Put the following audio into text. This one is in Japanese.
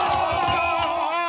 ああ！